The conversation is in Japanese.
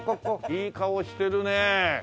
いい顔してるね。